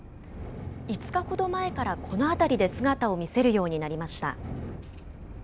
５日ほど前からこの辺りで姿を見せるようになりました。